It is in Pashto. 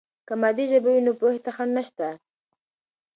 که مادي ژبه وي، نو پوهې ته خنډ نشته.